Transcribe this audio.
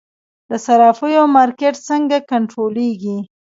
د صرافیو مارکیټ څنګه کنټرولیږي؟